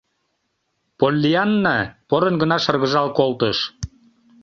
Поллианна порын гына шыргыжал колтыш: